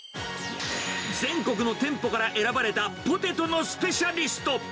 全国の店舗から選ばれたポテトのスペシャリスト。